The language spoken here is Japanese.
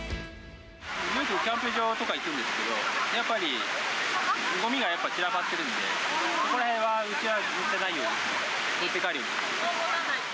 よくキャンプ場とか行くんですけど、やっぱり、ごみがやっぱ散らばってるので、そこらへんはごみは捨てないように、持って帰るように。